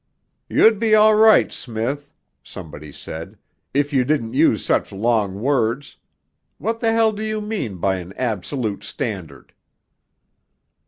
'You'd be all right, Smith,' somebody said, 'if you didn't use such long words; what the hell do you mean by an absolute standard?'